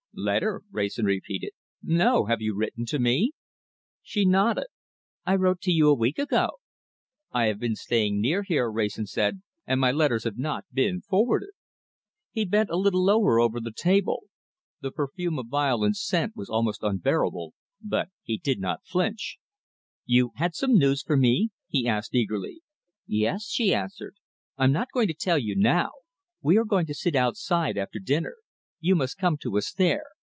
"Letter!" Wrayson repeated. "No! Have you written to me?" She nodded. "I wrote to you a week ago." "I have been staying near here," Wrayson said, "and my letters have not been forwarded." He bent a little lower over the table. The perfume of violet scent was almost unbearable, but he did not flinch. "You had some news for me?" he asked eagerly. "Yes!" she answered. "I'm not going to tell you now. We are going to sit outside after dinner. You must come to us there.